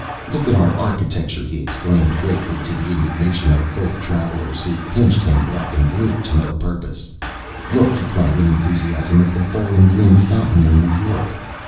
"Look at our architecture!" he exclaimed, greatly to the indignation of both the travellers, who pinched him black and blue to no purpose. "Look," he cried with enthusiasm, "at the Bowling Green Fountain in New York!